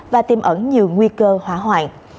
và tiêm ẩn nhiều nguy cơ hỏa hoạn